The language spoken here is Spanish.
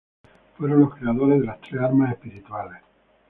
Fueron los creadores de las tres armas espirituales.